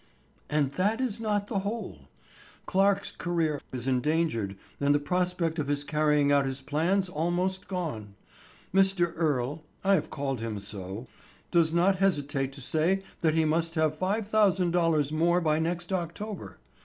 "And that is not the whole. Clarke's career is endangered and the prospect of his carrying out his plans almost gone. Mr. Earle—I have called him so—does not hesitate to say that he must have five thousand dollars more by next October.